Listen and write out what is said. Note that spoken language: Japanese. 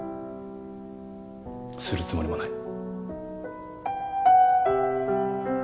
するつもりもない。